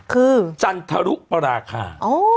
คือจันทรุปราคา